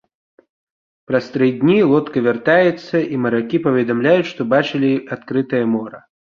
Праз тры дні лодка вяртаецца і маракі паведамляюць, што бачылі адкрытае мора.